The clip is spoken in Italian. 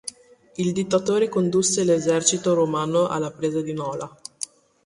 Il dittatore condusse l'esercito romano alla presa di Nola.